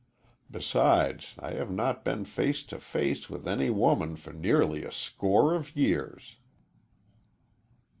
Besides, I have not been face to face with any woman for nearly a score of years."